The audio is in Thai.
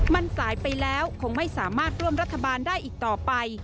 มันสายไปแล้วคงไม่สามารถร่วมรัฐบาลได้อีกต่อไป